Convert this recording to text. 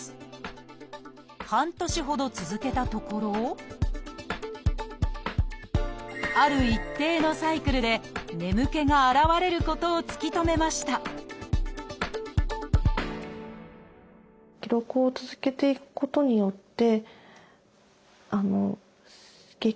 半年ほど続けたところある一定のサイクルで眠気が現れることを突き止めましたそれが繰り返されてることが分かって。